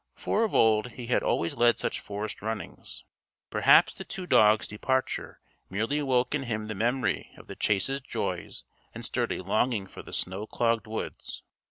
For of old he had always led such forest runnings. Perhaps the two dogs' departure merely woke in him the memory of the chase's joys and stirred a longing for the snow clogged woods.